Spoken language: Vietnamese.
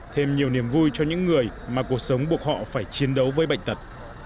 thêm nhiều niềm vui cho những người mà cuộc sống buộc họ phải chiến đấu với bệnh tật